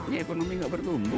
ini ekonomi gak bertumbuh